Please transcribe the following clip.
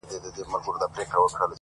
• خدای ورکړی داسي ږغ داسي آواز وو ,